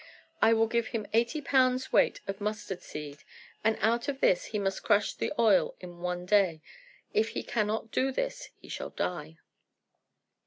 I will give him eighty pounds weight of mustard seed, and out of this he must crush the oil in one day. If he cannot do this he shall die."